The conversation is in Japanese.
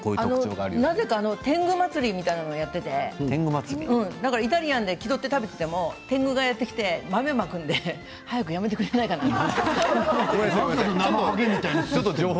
なぜか天狗まつりというのがやっていてイタリアンで気取って食べていても天狗がやって来て豆をまくので早くやめてくれないかなって。